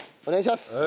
お願いします！